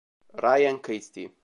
Ryan Christie